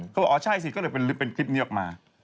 บอกอ๋อใช่สิก็เลยเป็นคลิปนี้ออกมา